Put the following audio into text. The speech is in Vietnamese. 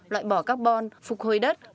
loại bỏ carbon phục hồi đất